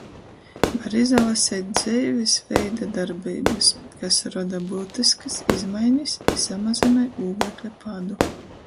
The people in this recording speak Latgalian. Var izalaseit dzeivis veida darbeibys, kas roda byutiskys izmainis i samazynoj ūglekļa pādu.